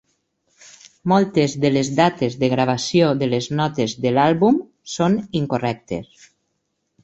Moltes de les dates de gravació de les notes de l'àlbum són incorrectes.